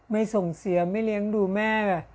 ไม่ส่งเสียไม่เลี้ยงดูแม่แบบ